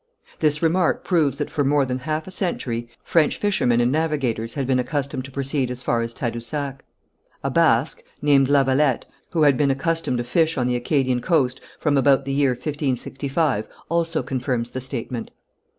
This remark proves that for more than half a century French fishermen and navigators had been accustomed to proceed as far as Tadousac. A Basque, named Lavalette, who had been accustomed to fish on the Acadian coast from about the year 1565, also confirms the statement.